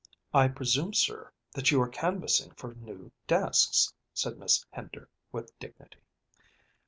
"I presume, sir, that you are canvassing for new desks," said Miss Hender, with dignity.